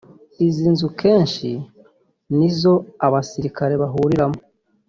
Izi nzu kenshi ni zo abasirikare bahuriragamo